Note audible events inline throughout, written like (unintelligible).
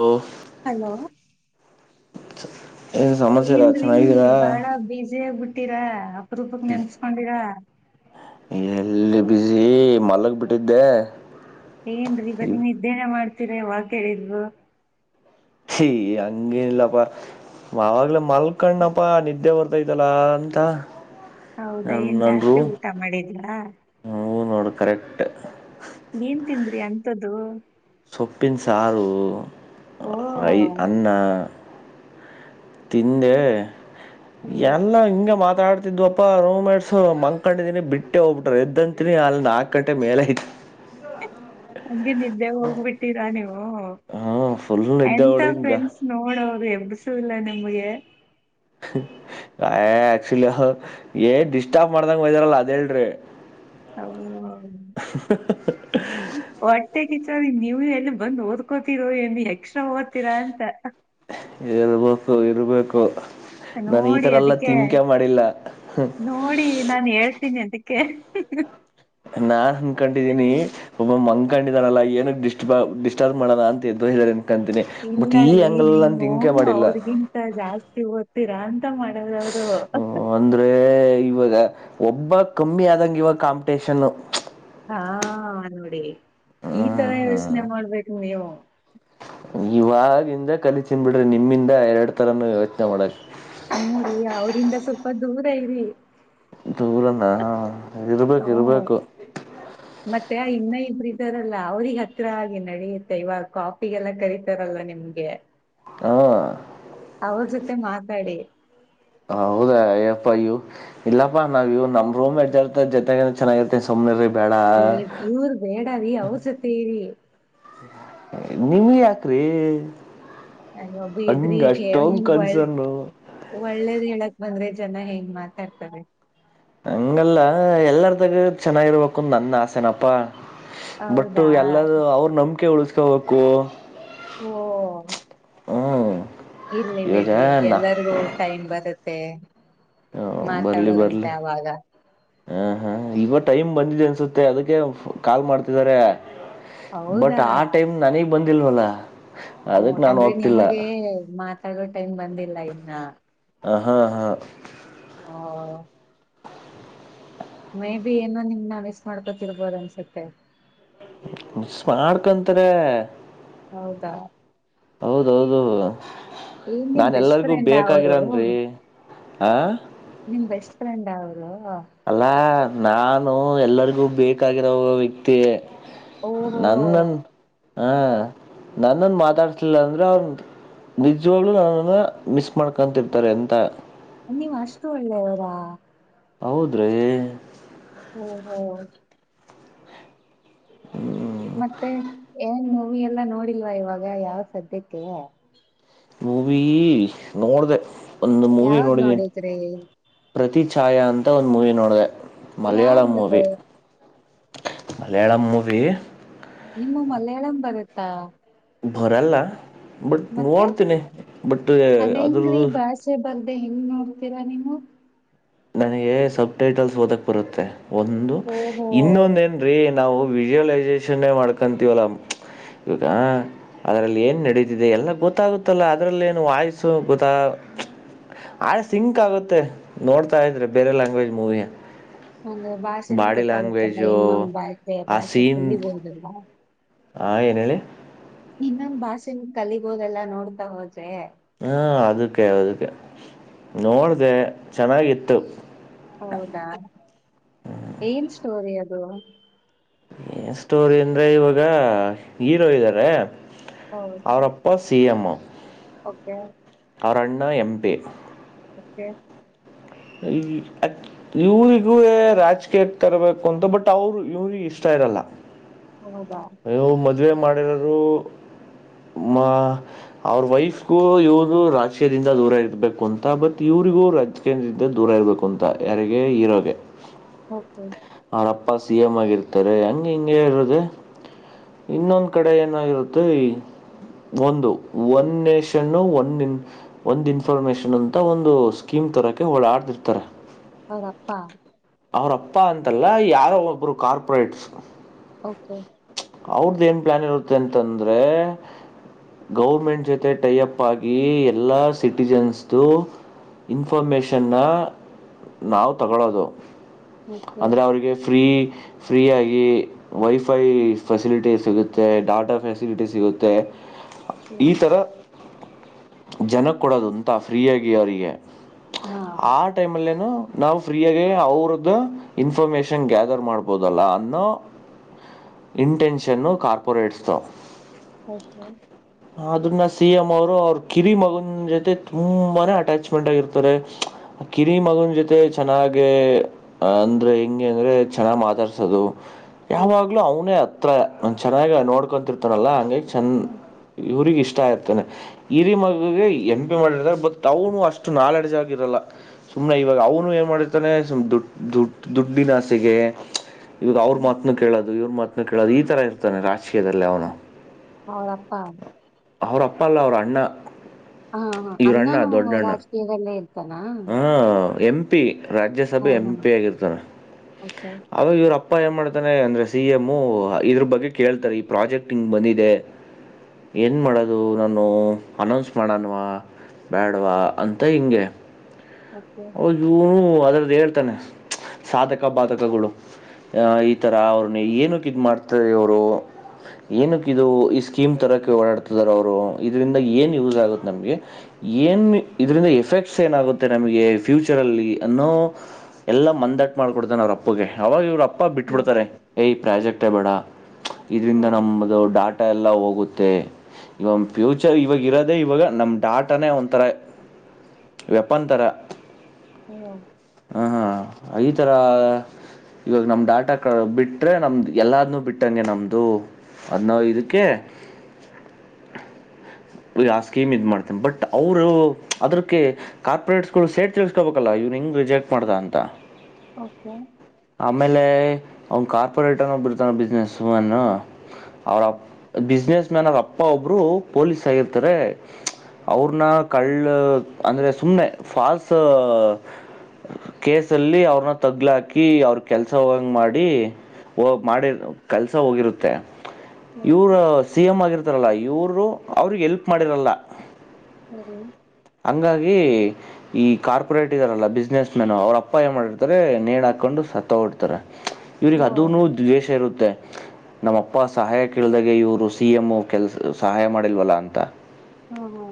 ಹೋ ಹಲೋ (inaudible) ಸಮಾಚಾರ ಏನ್ರೀ ಚೆನ್ನಾಗಿದ್ದೀರಾ ಬಾಳ ಬೀಜಿ ಆಗ್ಬಿಟ್ಟ ಹತೀರಾ ರೂಪಕ್ ನೆಪಸ್ಕೊಂಡಿರ ಎಲ್ಲಿ ಬ್ಯುಸಿ ಮಲಗ್ಬಿಟ್ಟಿದ್ದೆ ಏನ್ರೀ ಬರಿ ನಿದ್ದೇನ ಮಾಡ್ತಿ ವ ಕೇಳಿದ್ವು ಛಿ ಹಂಗೇನಿಲ್ಲಪ್ಪ ಅವಗಲೇ ಮಲ್ಕ್ಣಪ್ಪ ನಿದ್ದೆ ಬರ್ತಾ ಬೈದಲ್ಲಾ ಅಂತ ಹೌದಾ ನನ್ ಏನ್ ನನ್ ಜಾಸ್ತಿ ರೂಮ್ ಊಟ ಮಾಡಿದ್ರಾ ಹೂ ನೋಡು ಕರೆಕ್ಟ್ ನೀಏನ್ ತಿಂದ್ರಿ ಅಂತದ್ದು ಸೊಪ್ಪಿನ ಸಾರು ಓ ಐ ಅನ್ನ ತಿಂದೆ ಓ, ಎಲ್ಲ ಇಂಗ ಮಾತ್ರ ಮಾತಾಡ್ತಿದ್ವಪ್ಪ ರೂಮ ಮೇಟ್ಸಸು ಮಂಕೊಂಡಿದೀನಿ ಬಿಟ್ಟೆ ಹೋಗ್ಬಿಟ್ರೆ ಎದ್ದಂತೀನಿ ಅಲ್ಲಿ ನಾಲ್ಕ ಗಂಟೆ ಮೇಲೆ ಐ ಹಂಗಿ ನಿದ್ದೆ ಹೋಗ್ಬಿಟ್ಟಿರಾಣಿ ಹ್ಮ ಹಾ ಫುಲ್ ನಿದ್ದೆ ಎಂತ ಹೊಡ್ದಿಂಗ ಫ್ರೆಂಡ್ಸ್ ನೋಡೋ ಅವರು ಇರ್ತಾರೆ ಎಬ್ಬಸು ಇಲ್ಲ ನಮಗೆ. ಆ ಆಕ್ಚುಲಿ ಹ ಏ ಡಿಸ್ಟರ್ಬ್ ಮಾಡ್ದಂಗ ಬಂದಿರಲ್ಲ ಅದ ಹೇಳ್ರಿ. ಅವ್ವ ಹೊಟ್ಟೆ ಕಿಚ್ಚ. ಸರಿ ನೀವು ಎಲ್ಲಿ ಬಂದ ಓದ್ಕೋತೀರೋ ಏನ ಎಕ್ಸ್ಟ್ರಾ ಓದ್ತೀರಾ ಅಂತ. ಇರ್ಬೇಕು ಇರ್ಬೇಕು. ನಾನು ಈ ನೋಡಿ ತರ ಎಲ್ಲ ಅದಕ್ಕೆ ತಿಂಕೆ ಮಾಡಿಲ್ಲ ನೋಡಿ ನಾನ ಹೇಳ್ತೀನಿ ಅದಿಕ್ಕೆ. ಕ್ಕೆ. ನಾನ ಅನ್ಕೊಂಡಿದ್ದೀನಿ. ಪಾಪ ಮಲ್ಕೊಂಡಿದ್ದಾರಲ್ಲ ಏನಕ ಡಿಸ್ಟ್ ಡಿಸ್ಟರ್ಬ್ ಮಾಡೋನಾ ಅಂತ ಎದ್ದೋಗಿದ್ದಾರೆ. ಇಲ್ಲರಿ ನೀವು ಮಾಡಿಲ್ಲ ಅವ್ರಗಿಂತ ಜಾಸ್ತಿ. ಓದತೀರಾ ಅಂತ. ಮಾಡೋದು ಅವರು. (unintelligible) ಅಂದ್ರೆ ಇವಾಗ. ಒಬ್ಬ ಕಮ್ಮಿ ಆದಂಗ ಇವಾಗ ಕಾಂಪಿಟೇಷನು. ಹಾ ನೋಡಿ. ಈ ತರ ಹ್ಮ್ ಯೋಚ. ನೆ ಹ್ಮ್ ಮಾಡ್ಬೇಕ ನೀವು. ಇವಾಗಿಂದ ಕಲಿತಿನಿ ಬಿಡ್ರಿ ನಿಮ್ಮಿಂದ ಎರಡ ತರಾನು ಯೋಚನೆ ಮಾಡಕ. ಹೂ ರಿ ಅವರಿಂದ ಸ್ವಲ್ಪ ದೂರ ಇರಿ. ದೂರನಾ ಹಾ. ಇರ್ಬೇಕ ಹ್ಮ್ ಇರ್ಬೇಕು. ಮತ್ತೆ ಇನ್ನ ಇಬ್ಬರ ಇದಾರಲ್ಲ ಅವ್ರಿಗೆ ಹತ್ರಿ ಆಗಿ ನಡೆಯುತ್ತೆ ಇವಾಗ ಕಾಫಿಗೆಲ್ಲ ಕರಿತರಲ್ಲ ನಿಮ್ಗೆ. ಹಾ. ಅವ್ರ ಜೊತೆ ಮಾತಾಡಿ. ಹೌದಾ ಅಪ್ಪಯ್ಯ ಇವ ಇಲ್ಲಾಪ್ಪ ನಾವ ಇವ ನಮ್ಮ ರೂಮಮೇಟ್ ಜೊತ ಜೊತೆಗ ಚೆನ್ನಾಗಿರತಿನಿ ಸುಮ್ಮನಿರಿ. ಏ ಇವ್ರ ಬೇಡ ರೀ ಅವರ ಜೊತೆ ಇರಿ. ನಿಮಗ ಯಾಕ್ರೀ. ಅಯ್ಯೋ ಬಿಡ್ರಿ ಈಗ ಹಿಂಗ ಒಳ್ಳ ಕನ್ಸರ್ನು ಒಳ್ಳೇದ ಹೇಳಕ ಬಂದ್ರೆ. ಜನ ಹಿಂಗ ಮಾತಾಡ್ತಾರೆ. ಹಂಗಲ್ಲ ಎಲ್ಲಾರತಗ ಚೆನ್ನಾಗಿರಬೇಕು ನನ್ನ ಆಸೆನಪ್ಪಾ. ಬಟ್ಟು ಹೌದಾ ಎಲ್ಲರೂ ಅವ್ರ್ ನಂಬ್ಕೆ ಉಳ್ಸ್ (unintelligible) ಓ. ಉಹು. ಇರ್ಲಿ ಬಿಡ್ರಿ ಎಲ್ಲರ್ಗೂ ಟೈಮ್ ಬರುತ್ ತೆ. ಮಾತಾಡುವ್ರಂತೆ ಆವಾಗ. ಅಹಾ ಇವಾಗ್ ಟೈಮ್ ಬಂದಿದೆ ಅನ್ಸುತ್ತೆ ಅದಕ್ಕೆ ಅ ಫೋ ಕಾಲ್ ಮಾಡ್ತಿದ್ದಾರೆ. ಬಟ್ ಹೌದಾ ಆ ಟೈಮ್ ನನಿಗ್ ಬಂದಿಲ್ವಲ್ಲ. ಓ ಅದಕ್ಕೆ ನಾನು ಅಂದ್ರೆ ಹೋಗ್ತಿಲ್ಲ ನಿಮಗೇ ಮಾತ್ ತಗೋ ಟೈಮ್ ಬಂದಿಲ್ಲ ಇನ್ನ. ಅಹ ಅಹಾ. ಓ, ಮೇಬಿ ಏನೋ ನಿಮ್ನ ಮಿಸ್ ಮಾಡ್ಕೊತಿರ್ಬೋದ್ ಅನ್ಸುತ್ತೆ. ಮಿಸ್ ಮಾಡ್ಕಂತರೇ ಹೌದಾ? ಹೌದೌದು. ಏನ್ ನಿಮ್ ನಾನ್ ಬೆಸ್ಟ್ ಎಲ್ಲರಿಗು ಫ್ರೆಂಡ್ ಅವರು ಬೇಕಾಗಿರನ್ರಿ. ಆ ನಿಮ್ ಬೆಸ್ಟ್ ಫ್ರೆಂಡಾ ಅವ್ರು ಅಲ್ಲಾ ನಾನ್ ನಾವು ಎಲ್ಲರಿಗೂ ಬೇಕಾಗಿರೋ ವ್ಯಕ್ತಿ. ಓಹೋ ನನ್ನನ್ ಹ ನನ್ನನ್ ಮಾತಾಡ್ಸ್ಲಿಲ್ಲ ಅಂದ್ರೆ ಅವ್ನ್ ನಿಜವಾಗ್ಲು ನನ್ನನ್ನ ಮಿಸ್ ಮಾಡ್ಕೊಂತಿರ್ತಾರೆ ಅಂತ ನೀವ್ ಅಷ್ಟು ಒಳ್ಳೆಯವ್ರ? ಹೌದ್ರೀ ಓಹೋ ಮತ್ತೆ ಏನು ನೀವ್ ಎಲ್ಲಾ ನೋಡಿಲ್ವಾ ಇವಾಗ ಯಾವ್ ಸದ್ಯಕ್ಕೆ. ಮೂವಿ ನೋಡ್ದೆ. ಒಂದು ಮೂವಿ ಯಾವ್ದ್ ನೋಡಿದೀನಿ ನೋಡಿದ್ರಿ ಪ್ರತಿ ಛಾಯಾ ಅಂತ ಒಂದ್ ಮೂವಿ ನೋಡ್ದೆ. ಮಲಯಾಳಂ ಮೂವಿ ಯಾವ್ದದು ಮಲಯಾಳಂ ಮೂವಿ ನಿಮ್ಗ್ ಮಲ್ಯಾಳಂ ಬರುತ್ತಾ? ಹೊರಲ್ಲ ಬಟ್ ಮತ್ತೆ ನೋಡ್ತೀನಿ ಬಟ್ ಅ ಅದ್ರದ್ದು ಅ ಮತ್ತೆ ಹೆಂಗ್ ನೋಡ್ತೀರಾ ನೀನು ನನಗೆ ಸಬ್ ಟೈಟಲ್ಸ್ ಓದಕ್ ಬರುತ್ತೆ ಒಂದು ಓಹೋ ಇನ್ನೊಂದೇಏನ್ ರೀ ನಾವು ವಿಶಲೈಸೇಷನ್ೇ ಮಾಡ್ಕವಲ್ಲ ಅದ್ರಲ್ಲಿ ಏನ್ ನಡತಿದೆ ಎಲ್ಲ ಗೊತ್ತಾಗುತ್ತಲ್ಲ ಅದ್ರಲ್ಲಿ ಏನು ವಾಯ್ಸ ಗೊತ್ತ ಆ ಸಿಂಕ್ ಆಗುತ್ತೆ ನೋಡ್ ಾ ಇದ್ರೆ ಬೇರೆ ಲ್ಾಂಗ್ೇಜ್ ಮೂವಿ ಅಂದ್ರೆ ಭಾಷೆನೂ ಬಾಡಿ ಗೊತ್ತಾಗತ್ತಲ್ಲ ಲ್ಯಾಂಗ್ವೇಜು ಇನ್ನೊ ಬೆ ಭಾಷೆ ಕುಲಿಬೋುದಲ್ವಾ ಹಾ ಏನ್ ಹೇಳಿ ಇನ್ನೊಂದ್ ಭಾಷೆನ ಕಲಿಬೋದೆಲ್ಲಾ ನೋಡ್ತಾ ಹೋದ್ರೆ ಹಾ ಅದಕ್ಕೆ ಅದಕ್ಕೆ ನೋಡ್ಡೆ ಹೌದಾ ಏನ್ ಸ್ಟೋರಿ ಅ ಹ ಏ ಸ್ಟೋರಿ ಅಂದ್ರೆ ಇವಾಗ ಹೀರೋ ಇದ್ದಾರೆ ಇವಾಗ ಹೀರೋ ಇದ್ದರೆ ಹೌದು ಅವ್ರಪ್ಪ ಸಿಎಂ ಓಕೆ ಅವರಣ್ಣ ಎಂಪಿ ಓಕೆ ಈ ಇವ್ರಿಗೂ ವೇ ರಾಜಕೀಯಕ್ಕೆ ತರಬೇಕು ಅಂತ ಬಟ್ ಅವರು ಇವ್ರಿಗೆ ಇಷ್ಟ ಇರಲ್ಲ ಹೌದಾ ನೀವು ಮದ್ವೆ ಮಾಡಿರೋ ಅವ್ರ ಮ ವೈಫ್ಗೂ ಇವೃ ರಾಜ ವಿ್ಯದಿಂದ ದೂರ ಇರಬೇಕುಂತ (unintelligible) ಅದಕ್ಕೆ ಇವ್ರಿಗೂ ಇವ್ರ ರಾಜಕೀಯ ದಿಂದ ದೂರ ಆಗ್ಬೇಕು ಅಂತ ಯಾರ್ಗೆ ಓಕೆ ಅವರಪ್ಪ ಸಿ ಎಂ ಆಗಿರ್ತಾರೆ ಹೆಂಗ ಈರಧು (unintelligible) ಇನ್ನೊಂದು ಕಡೆ ಏನಾಗಿರುತ್ತೆ ಒಂದು ಒನ್ ನೇಷನ್ನು ಒನ್ ಇನ್ ಒಂದು ಇನ್ಫಾರ್ಮೇೇಶನ್ ಅಂತ ಒಂದು ಸ್ಕೀಮ್ ತರೋಕ್ಕೆ ಓಡಾಡ್ತಿರ್ತಾರೆ ಅವರಪ್ಪಾ ಅವ್ರಪ್ಪ ಅಂತ ಅಲ್ಲ ಯಾರೊ ಒಬ್ರು ಕಾರ್ಪೊರೇಟ್ಸ್ ಓಕೆ ಅವರುದೇನು ಪ್ಲಾನೂ ಇದತಂದ್ರೆ ಗೌರ್ಮೆಂಟ್ ಜೊತೆ ಟೈ ಅಪ್ ಆಗಿ ಎಲ್ಲಾ ಸಿಟಿಜನ್ಸ್ ದು ಇನ್ಫಾರ್ಮೇಶನ್ನ ನಾವು ತಗೊಳ್ಳೋದು ಹ್ಮ (inaudible) ಅಂದರೆ ಅವರಿಗೆ ಫ್ರೀ ಫ್ರೀಯಾಗಿ ವೈಫೈ ಫೆಸಿಲಿಟಿ ಸಿಗುತ್ತೆ ಡಾಟಾ ಫೆಸಿಲಿಟಿ ಸಿಗುತ್ತೆ ಈ ಸರಿ ತರ. ಜನಕ್ಕ ಕೊಡೋದು. (unintelligible) ಫ್ರೀಯಾಗಿ ಇವರಿಗೆ ಹಾ ಆ ಟೈಮಲ್ಲೇನೋ. ನಾವು ಫ್ರೀಯಾಗೆ ಅವ್ರದ್ದು. ಇನ್ಫಾರ್ಮಶನ್ ಗ್ಯಾದರ್ ಮಾಡ್ಬೋದಲ್ಲ ಅನ್ನೋ ಇಂಟೆನ್ಷನ್ನು ಕಾರ್ಪೊರೇಟ್ಸ್ದು. ಓಕೆ ಅದನ್ನ ಸಿ ಎಮ್ ಅವರು. ಅವರ ಕಿರಿ ಮಗನ ಜೊತೆ ತುಂಬಾನೇ ಅಟ್ಯಾಚ್ಮೆಂಟ್ ಆಗಿರ್ತಾರೆ ಕಿರಿ ಮಗನ ಜೊತೆ ಚೆನ್ನಾಗೆ ಹ ಅಂದ್ರೆ. ಅಂದ್ರೆ ಹೆಂಗೆ ಅಂದ್ರೆ ಚೆನ್ನಾಗ ಮಾತಾಡ್ಸೋದು. ಯಾವಾಗ್ಲೂ ಅವನೇ ಆ. (unintelligible) ಅವನ ಚೆನ್ನಾಗ ನೋಡ್. ತಿಂತರಲ್ಲ ಹಂಗಾಗಿ ಚೆನ್ನ ಇವ್ರಿಗಿ ಇಷ್ಟ. ಇಷ್ಟ ಇರ್ತಾನೆ ಹಿರಿ ಮಗಗೆ ಎಂಪಿ ಮಾಡಿರ್ತಾರೆ ಬಟ್ ಅವನು ಅಷ್ಟು ನಾಲೆಡ್ಜ್ ಆಗಿರಲ್ಲ ಸುಮ್ಮನೆ ಇವಾಗ ಅವನು ಏನ ಮಾಡಿರ್ತಾನೆ ಸುಮ್ನೆ ದುಡ್ ದುಡ್. ದುಡ್ಡಿನ ಆಸೆಗೆ. ಇವರ ಅವ್ರ ಮಾತನ್ನು ಕೇಳೋದು ಇವ್ರ ಮಾತ್. ಕೇಳೋದು ಈ ತರ ಇರ್ತಾನೆ ರಾಜಕೀಯದಲ್ಲಿ ಅವನು. ಅವರ ಅಪ್ಪಾ. ಅಪ್ಪಲ್ಲ ಅವರ ಅಣ್ಣ ಹಾ ಹ ಅ್ಣಾನು ರಾಜಕೀಯದಲ್ಲೇ ಇಲ್ಲ ಹಾ ಎಂ ಪೀ (unintelligible) ಹಾ ರಾಜ್ಯಸಭೆ ಎಂ ಹಾ ಪಿ ಆಗಿರ್ತಾರೆ ಓಕೆ ಅವಾಗ ಇವ್ರಪ್ಪ ಅಪ್ಪ ಏನು ಮಾಡಾ್ತಾನೆ ಅಂದರೆ ಸಿ ಎಮ್ಮು ಇದ್ರ ಬಗ್ಗೆ ಕೇಳ್ತಾರೆ ಈ ಪ್ರಾಜೆಕ್ಟ್ ಹಿಂಗೆ ಬಂದಿದೆ ಏನು ಮಾಡೋದು ನಾನು ಅನೌನ್ಸ್ ಮಾಡಣವಾ ಬ್ಯಾಡವಾ ಅಂತ ಹಿಂಗೆ ಓಕೆ ಒ ಜೂನು (unintelligible) ಅದರದ ಹೇಳ್ತಾನೆ ಸಾಧಕ ಬಾಧಕಗಳು ಈಥರ ಅವ್ರನ್ನ ಏನಕ್ಕೆ ಇದ ಮಾಡ್ತ ಅವರು ಏನಕ ಇದು ಈ ಸ್ಕೀಮ್ ತರೋಕ್ಕೆ ಓಡಾಡ್ತಾರ ಅವರು ಇದರಿಂದ ಏನು ಯೂಸ್ ಆಗುತ್ತೆ ನಮಗೆ ಏ ಇದರಿಂದ ಎಫೆಕ್ಟ್ಸ್ ಏನಾಗುತ್ತೆ ನಮಗೆ ಫ್ಯೂಚರಲ್ಲಿ ಅನ್ನೋ ಎಲ್ಲ ಮನ್ ದಟ್ ಮಾಡಿಕೊಡ್ತಾನ ಅವ್ರ ಅಪ್ಪಗೆ ಅವಾಗ ಇವ್ರು ಅಪ್ಪ ಅಪ್ಪ ಹ್ಮ್ ಬಿಟ್ಬಿಡ್ತಾರೆ ಏ ಪ್ರಾಜೆಕ್ಟ್ ಬೇಡ ಹಾ ಇದರಿಂದ ನಮ್ದ ಡಾ ಡಾಟ ಎಲ್ಲ ಹೋಗುತ್ತೆ ಇವ ಫ್ಯೂಚರ್ ಇವಾಗ ಇರೋದೆೇ ಇವಾಗ ನಮ್ಮ್ ಡಾಟಾನೇ ಒಂಥರ ವೆಪನ್ ತರ ಹಾ ಹಾ ಹಾ ಆ ಈಥರ ಇವಾಗ ನಮ ಡಾಟಾ ಕ ಬಿಟ್ರೆ ನಮ್ದು ಎಲ್ಲಾದನುೂ ಬಿಟ್ಟಂಗೆ ನಮ್ದು ಅನ್ನೋ ಇದಕ್ಕೆ ಆ ಸ್ಕೀಮ್ ಇದ್ ಮಾಡ್ತೇನ್ ಬಟ್ ಅವರು ಅದ್ರಕ್ಕೆ ಕಾರ್ಪೊರೇಟ್ಸ್ಗಳು ಸೇಡ್ ತಿಳಸ್ಕೊಬೇಕಲ್ಲ ಇವ್ನ್ ಹಿಂಗ್ ರಿಜೆಕ್ಟ್ ಮಾಡ್ದ ಅಂತ. ಓಕೆ ಆಮೇಲೆ ಅವನ್ ಕಾರ್ ಪರ್್ಯಟನ ಒಬಿರ್ತನ ಬಿಜನೆಸ್ ಮಾಡನ್ನ ಅವ ಹ್ಮ್ ಅ ಬಿಜನೆಸ್ಮ್ಯನ್ ಅವರಪ್ಪ ಒಬ್ರು ಪೊಲೀಸ್ ಸ ಇರ್ತಾರೆ ಅವ್ರನ್ನ ಕಳ್ಳ ಅಂದ್ರೆ ಸುಮ್ನೆ ಫಾಲ್ಸ್ ಕೇಸಲ್ಲಿ ಅವ್ರನ್ನ ತಗ್ಲಾಕಿ ಅವ್ರ ಕೆಲ್ಸ ಹೋಗಂಗ ಮಾಡಿ ಮಾಡಿ ಕೆಲ್ಸ ಹೋಗಿರುತ್ತೆ ಸರಿ ಇವರ ಸಿ ಎಂ್ ಆಗಿರ್ ರಲ್ಲ ಈವರು ಅವ್ರಿಗೆ ಎಲ್ಪ್ ಮಾಡಿರಲ್ಲ ಸರಿ ಹಂಗಾಗಿ ಈ ಕಾರ್ಪೊರೇಟ್ ಇದಾರಲ್ಲ ಬಿಸ್ನೆಸ್ ಮ್ಯನು ಅವ್ರ ಅಪ್ಪ ಏ ಮಾಡಿರ್ತಾರೆ ನೇಣ ಹಾಕ್ಕೊಂಡು ಸತ್ತ ತೋಗಿಡ್ತಾರೆ. ಇವ್ರಿಗೆ ಹ್ಞೂ ಅದನು ದ್ವೇಷ ಇರುತ್ತೆ ನಮ್ಮ ಅಪ್ಪ ಸಹಾಯ ಕೇಳಿದಾಗ ಇವರು ಸಿಎಂ ಕೆಲಸ ಸಹಾಯ ಮಾಡ ಮಾಡಲ್ವಲ್ಲ ಅಂತ ಹಾ ಹ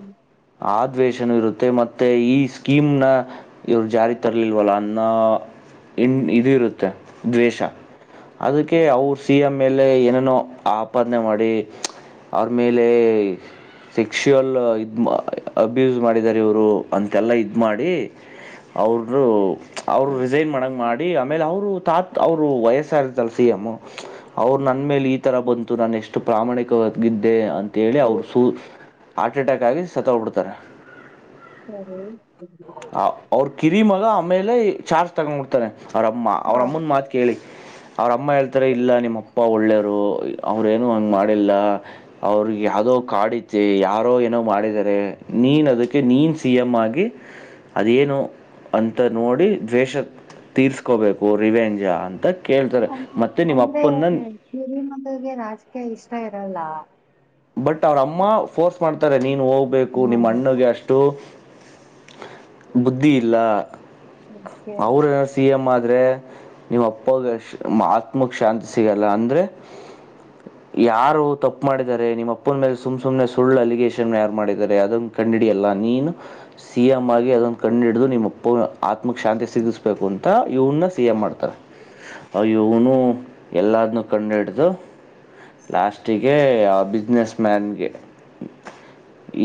ಆ ದ್ವೇಷನು ಇರುತ್ತೆ ಮತ್ ಮತ್ತೆ ಈ ಸ್ಕೀಮ್ನ ಇವ್ರು ಜಾರಿ ತರ್ಲಿಲ್ವಲ್ಲ ಅನ್ನ ಇ ಇದ ಇರುತ್ತೆ ದ್ವೇಷ ಅದಕ್ಕೆ ಅವರು ಸಿ ಎಂ ಆಮೇಲೆ ಏನೇನೋ ಆಪಾದನೆ ಮಾಡಿ ಅವ್ರ ಮೇಲೆ ಸೆಕ್ಸ್ವಲ್ ಇದ ಮಾ. ಅಬ್ಯೂಸ್ ಮಾಡಿದ್ದಾರೆ ಇವರು ಅಂತೆಲ್ಲ ಇದ ಮಾಡಿ ಅವರು. ಅವರು ರಿಸೈನ್ ಮಡಾಂಗ ಮಾಡಿ. ಡಿ ಆಮೇಲೆ ಅವರು ತಾತ್ ಅವರು ವಯಸ್ಸ ಆಗಿರ್ತಲ ಸಿಎಂ ಅವರು ನನ್ನ ಮೇಲೆ ಈ ತರ ಬಂತು ನಾನು ಎಷ್ಟು ಪ್ರಾಮಾಣಿಕವಾಗಿದ್ದೆ ಅಂತ. ಹೇಳಿ ಅವರ ಸರಿ ಸು. ಹಾರ್ಟ ಅಟ್ಯಾಕಾಕ್ಕಾಗಿ ಆಗಿ. ಸತ್ತೋಗ ಹೋಗಬಿಡತ್ತಾರೆ. (unintelligible) ಆ ಅವ್ರ ಕಿರಿ ಮಗ ಆಮೇಲೆ ಚಾರ್ಜ್ ತಗೊಂಡ ಬಿಡ್ತಾನೆ. ಅವ್ರ ಅಮ್ಮ ಹಾ ಅವ್ರಮ್ಮನ ಮಾತ ಕೇಳಿ. ಅವ್ರಮ್ಮ ಹೇಳ್ತಾರೆ ಇಲ್ಲ ನಿಮ್ಮಪ್ಪ ಒಳ್ಳೆಯರು ಅವ್ರೇನೂ ಹಂಗೆ ಮಾಡಿಲ್ಲ ಅವ್ರಿಗೆ ಯಾವುದೋ ಕಾಡತಿ ಯಾರೋ ಏನೋ ಮಾಡಿದ್ದಾರೆ. ನೀನ ಅದಕ್ಕೆ ನೀನ. ಸಿ ಎಮ್ ಆಗಿ. ಅದೇನು ಅಂತ ನೋಡಿ ದ್ವೇಷ ತೀರ್ಸ್ಕೋಬೇಕು ರಿವೆಂಜ ಅಂತ. ಕೇಳ್ತಾರೆ ಮತ್ತೆ ನಿಮ್ಮ ಅಂದ್ರೆ ಅಪ್ಪನ್ನ ಕಿರಿ ಮಗಗೆ ರಾಜಕೀಯ ಇಷ್ಟ. ಇಷ್ಟ ಇರಲ್ಲ. ಬಟ್ ಅವ್ರ ಅಮ್ಮ ಫೋರ್ಸ್ ಮಾಡ್ತಾರೆ ನೀನು ಹೋಗ್ಬೇಕು ಹಾ ನಿಮ್ಮ ಅಣ್ಣಗೆ ಅಷ್ಟು. ಬುದ್ಧಿ ಇಲ್ಲ. ಓಕೆ ಅವ್ರ ಏನ ಸಿಎಂ ಆದ. ನಿಮ್ಮ ಅಪ್ಪಾಗ ಆತ್ಮಕ್ ಶಾಂತಿ ಸಿಗಲ್ಲ ಅಂದ್ರೆ ಯಾರು ತಪ್ಪು ಮಾಡಿದ್ದಾರೆ ನಿಮ್ಮ ಅಪ್ಪನ ಮೇಲೆ ಸುಮ್ ಸುಮ್ನೆ ಸುಳ್ಳು ಅಲಿಗೇಷನ್ ಯಾರು ಮಾಡಿದ್ದಾರೆ ಅದನ್ನ ಕಂಡ ಹಿಡಿಯಲ್ಲ ನೀನು ಸಿ ಎಮಂ ಆಗಿ ಅದನ್ನು ಕಂಡ ಹಿಡಿದು ನಿಮ್ಮಪ್ಪ ಆತ್ಮಕ್ಕೆ ಶಾಂತಿ ಸಿಗಿಸ್ಬೇಕು ಅ ಇವನ್ನ ಸಿ ಎಂ ಮಾಡ್ತಾರೆ. ಆಯ ಇವ್ನು ಎಲ್ಲದನ್ನ ಕಂಡುಹಿಡಿದು ಲಾಸ್ಟಿಗೆ ಯ. ಬಿಸ್ನೆಸ್ ಮ್ಯಾನ್ಗೆ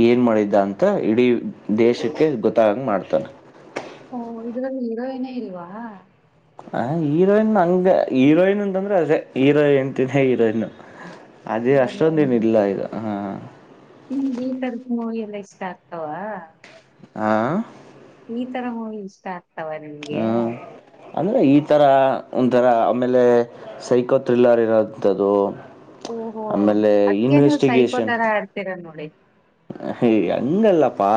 ಏನು ಮಾಡಿದ್ದ ಅಂತ ಇಡೀ ದೇಶಕ್ಕೆ ಗೊತ್ತಾಗ ಮಾಡ್ತಾನೆ ಹಓ ಇದರಲ್ಲಿ ಹೀರೋಯಿನ್ ಇಲ್ವಾ ಆ ಹೀರೋಯಿನ್ ಹಂಗಗೆ ಹೀರೋಯಿನ್ ಅಂತಂದ್ರೆ ಅದೇ ಹೀರೋ ಹೆಂಡ್ತಿನೆ ಹೀರೋಯನ್ ಅದೇ ಓ ಓ. ಅಷ್ಟೊಂದನ್ ಇಲ್ಲ ಇದು ಹಾ ನಿಮ್ಗೆ ಈ ತರದ ಮೂವಿ ಎಲ್ಲ ಇಷ್ಟ ಆಗ್ತಾವ ಆಾಂ ಈ ತರ ಮೂವಿ ಇಷ್ಟ ತವಾ ನಿಮಗೆ ಅಂದರೆ ಈ ಥರ ಒಂಥರ ಆಮೇಲೆ ಸೈಕೋ ಥ್ರಿಲ್ಲರ್ ಇರೋಂಥದ್ದು. ಓಹೋ ಆಮೇಲೆ ಅದ್ಕ ನೀವು ಸೈಕೊ ತರ ಆಡ್ತೀರ ನೋಡಿ ಹ ಹಂಗಲ್ಲಪ್ಪಾ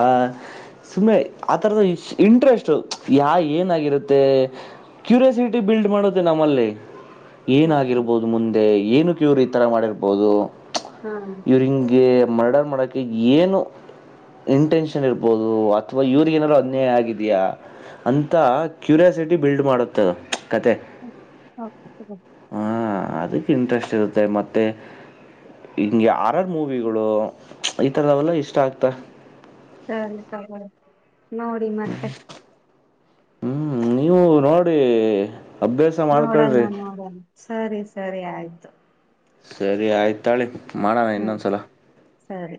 ಸುಮ್ಮನೆ ಆತರದ ಇಂಟ್ರೆಸ್ಟ್ ಯಾ ಏನಾಗಿರುತ್ತೆ ಕ್ಯೂರಿಯಾಸಿಟಿ ಬಿಲ್ಡ್ ಮಾಡುತ್ತೆ ನಮ್ಮಲ್ಲಿ ಓಕೆ ಏನಾಗಿರ್ಬೋದು ಮುಂದೆ. ಏನುಕ ಇವರು ಈ ಥರ ಮಾಡಿರ್ಬೋದು. ಹಾ ಯೂರಿಂಗ್ಗೆ ಮಡರ್ ಮಾಡಕ್ಕೆ ಕ ಏನು ಇಂಟೆನ್ಷನ್ ಇರ್ಬೋದು ಅಥವಾ ಇವ್ರಗ ಏನಾದಾರೂ ಅನ್ಯಾಯ ಆಗಿದೆಯಾ ಅಂತ ಕ್ಯೂರಿಯಾಸಿಟಿ ಬಿಲ್ಡ್ ಮಾಡುತ್ತುತ್ತದೆ. ಓಕೆ ಹಾಂ ಅದಕ್ಕೆ ಇಂಟ್ರೆಸ್ಟ್ ಇರುತ್ತೆ ಮತ್ತು ಹಿಂಗೆ ಹಾರರ್ ಮೂವಿಗಳು ಈ ಥರದವೆೆಲ್ಲ ಇಷ್ಟ ಆಗ್ತ. (unintelligible) ನೋಡಿ ಮತ್ತೆ ಹ್ಮ್ ನೀವು ನೋಡಿ ಅಭ್ಯಾಸ ನೋಡೋಣ ಮಾಡ್ಕಳ್ರಿ ನೋಡೋಣ ಸರಿ ಸರಿ ಆಯ್ತು ಸರಿ ಆಯ್ತ ತೊಗೊಳ್ಳಿ. ಮಾಡೋಣ ಹ್ಮ್ ಇನ್ನೊಂದ ಸಲ. ಸರಿ.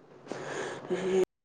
(unintelligible)